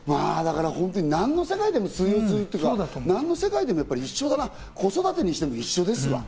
何の世界でも通用するというか、何の世界でも一緒、子育てにしても一緒。